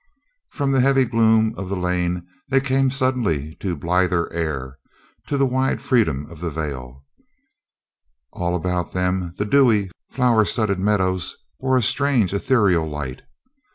From the heavy gloom of the lane they came sud denly to blither air, to the wide freedom of the vale. All about them the dewy, flower studded meadows bore a strange ethereal light.